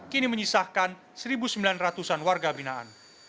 kini menyisahkan satu sembilan ratus an warga binaan